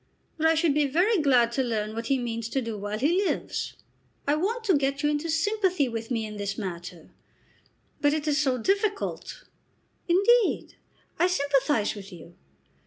"But I should be very glad to learn what he means to do while he lives. I want to get you into sympathy with me in this matter; but it is so difficult." "Indeed I sympathise with you."